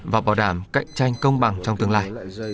và bảo đảm cạnh tranh công bằng trong tương lai